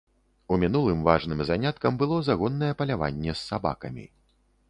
У мінулым важным заняткам было загоннае паляванне з сабакамі.